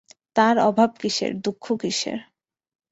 তার অভাব কিসের, দুঃখ কিসের?